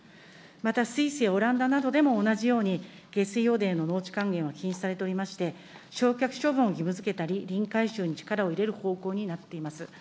また、スイスやオランダなどでも同じように、下水汚泥の農地還元は禁止されておりまして、焼却処分を義務づけたり、リン回収に力を入れる方向になっています。